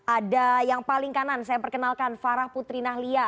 ada yang paling kanan saya perkenalkan farah putri nahlia